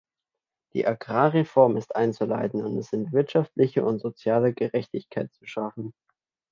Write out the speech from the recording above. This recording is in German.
Die Agrarreform ist einzuleiten, und es sind wirtschaftliche und soziale Gerechtigkeit zu schaffen.